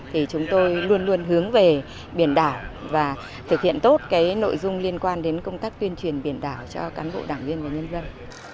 thì chúng tôi luôn luôn hướng về biển đảo và thực hiện tốt nội dung liên quan đến công tác tuyên truyền biển đảo cho cán bộ đảng viên và nhân dân